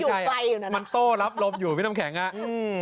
ไกลอยู่นะมันโต้รับลมอยู่พี่น้ำแข็งอ่ะอืม